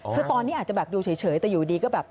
คือตอนนี้อาจจะแบบดูเฉยแต่อยู่ดีก็แบบ